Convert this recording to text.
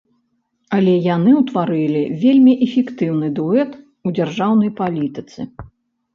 Але яны ўтварылі вельмі эфектыўны дуэт у дзяржаўнай палітыцы.